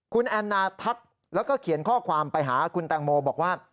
คุณแอนนาทักแล้วก็เขียนข้อความไปหาคุณแตงโมบอกว่า